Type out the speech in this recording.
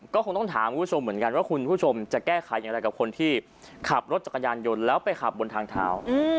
ก็คงต้องถามคุณผู้ชมเหมือนกันว่าคุณผู้ชมจะแก้ไขอย่างไรกับคนที่ขับรถจักรยานยนต์แล้วไปขับบนทางเท้า